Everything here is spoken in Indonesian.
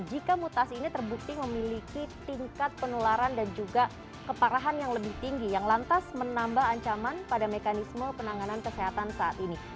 jika mutasi ini terbukti memiliki tingkat penularan dan juga keparahan yang lebih tinggi yang lantas menambah ancaman pada mekanisme penanganan kesehatan saat ini